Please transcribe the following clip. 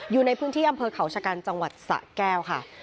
อยู่ในพื้นที่อำเภอเขาชะกันจังหวัดสะแก้วค่ะ